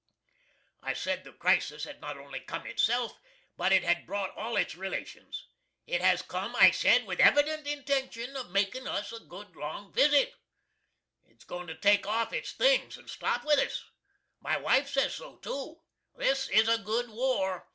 I said the crisis had not only cum itself, but it had brought all its relations. It has cum, I said, with a evident intention of makin' us a good long visit. It's goin' to take off its things and stop with us. My wife says so too. This is a good war.